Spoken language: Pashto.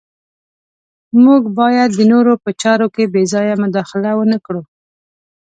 موږ باید د نورو په چارو کې بې ځایه مداخله ونه کړو.